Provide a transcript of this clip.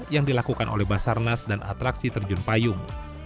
yang dilakukan oleh basarnas dan atraksi terjun payung